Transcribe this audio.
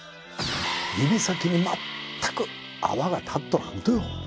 指先に全く泡が立っとらんとよ